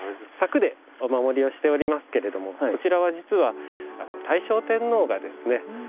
柵でお守りをしておりますけれどもこちらは実は大正天皇がですね